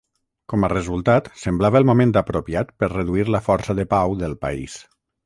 Com a resultat, semblava el moment apropiat per reduir la força de pau del país.